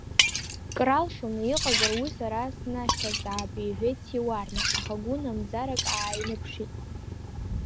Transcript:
Кралшоны иҟазар, уи сара снашьҭаҵаап, — иҳәеит Сиуарна, аха гәынамӡарак ааиныԥшит.